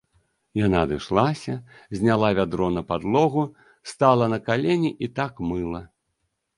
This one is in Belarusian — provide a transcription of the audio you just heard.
Яна адышлася, зняла вядро на падлогу, стала на калені і так мыла.